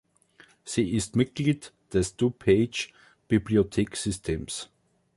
Sie ist Mitglied des DuPage Bibliotheksystems.